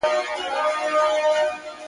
او دا چي د ښاغلي جهاني دا اټکل به